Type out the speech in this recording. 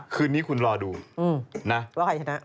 คืนนี้คุณรอดูนะว่าใครชนะ